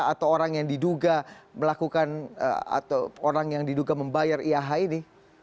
atau orang yang diduga melakukan atau orang yang diduga membayar iah ini